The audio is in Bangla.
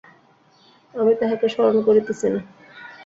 আমি তাঁহাকে স্মরণ করিতেছি না।